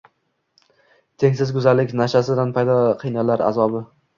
Tengsiz go’zallik nash’asidan paydo qiynoqlar azobi.